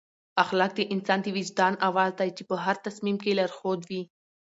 اخلاق د انسان د وجدان اواز دی چې په هر تصمیم کې لارښود وي.